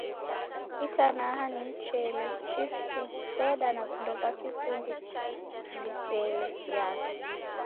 Itanaha ni michele, chipsi, soda, na vindo va Kizungu viseelekiagha.